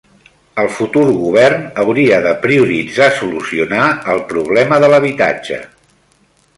El futur Govern hauria de prioritzar solucionar el problema de l'habitatge.